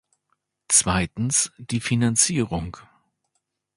Zweitens die Finanzierung.